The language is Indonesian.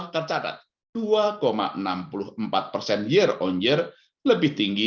tercatat dua enam puluh empat persen year on year lebih tinggi